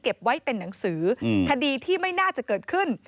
ไว้เป็นหนังสือคดีที่ไม่น่าจะเกิดขึ้น